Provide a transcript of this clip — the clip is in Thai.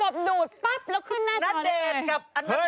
ไม่ก่อนผมรู้ว่าเมิ่กตัวเตรียมมันให้เล่นผมอยู่แล้ว